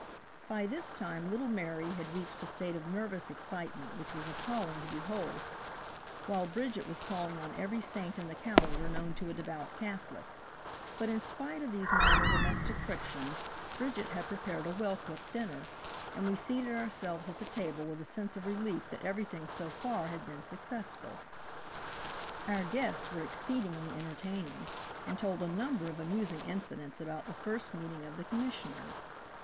By this time little Mary had reached a state of nervous excitement which was appalling to behold, while Bridge was calling on every saint in the calendar known to a devout Catholic, but in spite of these minor domestic frictions Bridget had prepared a well cooked dinner, and we seated ourselves at the table with a sense of relief that everything so far had been successful. Our guests were exceedingly entertaining, and told a number of amusing incidents about the first meeting of the Commissioners.